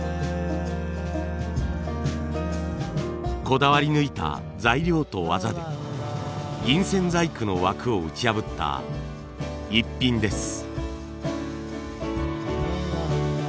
こだわりぬいた材料と技で銀線細工の枠を打ち破ったイッピンです。